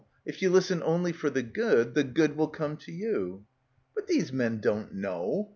If you listen only for the good, the good will come to you." "But these men don't know.